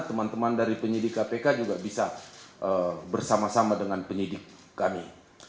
teman teman dari penyidik kpk juga bisa bersama sama dengan penyidik kami